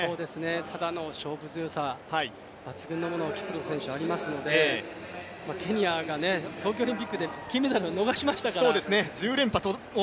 ただあの勝負強さ抜群のものがキプルト選手ありますのでケニアが東京オリンピックで金メダルを逃しましたから。